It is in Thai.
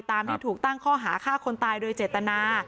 ที่ถูกตั้งข้อหาฆ่าคนตายโดยเจตนา